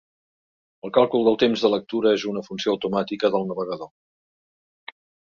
El càlcul del temps de lectura és una funció automàtica del navegador.